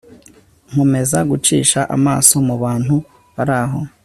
nkomeza gucisha amaso mubantu baraho